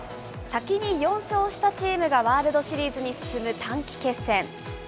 先に４勝したチームがワールドシリーズに進む短期決戦。